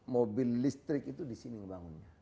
mobil listrik itu disini membangunnya